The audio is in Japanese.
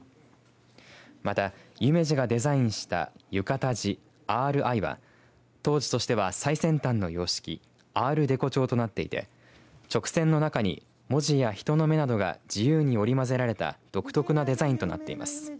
また夢二がデザインした浴衣地ＲＩは当時としては最先端の様式アールデコ調となっていて直線の中に文字や人の目などが自由に織り交ぜられた独特なデザインとなっています。